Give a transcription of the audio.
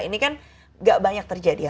ini kan gak banyak terjadi ya